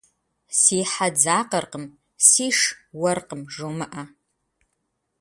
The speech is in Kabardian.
Си хьэ дзакъэркъым, сиш уэркъым жумыӏэ.